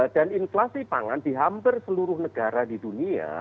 dan inflasi pangan di hampir seluruh negara di dunia